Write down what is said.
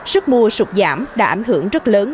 sức mua sụt giảm đã ảnh hưởng rất lớn